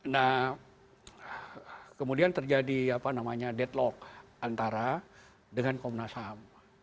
nah kemudian terjadi deadlock antara dengan komnasam